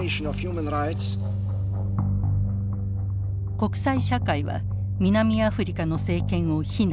国際社会は南アフリカの政権を非難。